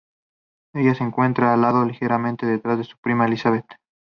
Ella se encuentra al lado y ligeramente detrás de su prima Elizabeth.